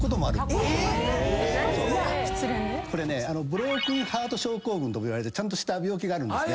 ブロークンハート症候群といわれてちゃんとした病気があるんですね。